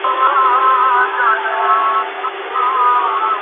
Please, আমি এটা করব না, স্যার।